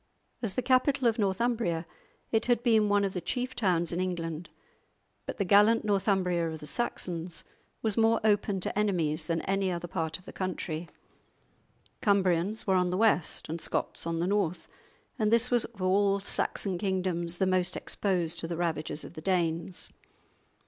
As the capital of Northumbria it had been one of the chief towns in England. But the gallant Northumbria of the Saxons was more open to enemies than any other part of the country; Cumbrians were on the west and Scots on the north, and this was of all Saxon kingdoms the most exposed to the ravages of the Danes.